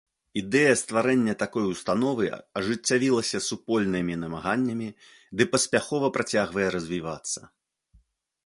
Ідэя стварэння такой установы ажыццявілася супольнымі намаганнямі ды паспяхова працягвае развівацца.